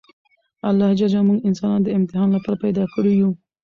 الله ج موږ انسانان د امتحان لپاره پیدا کړي یوو!